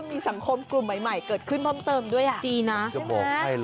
พ่อผู้นำเขามากเลย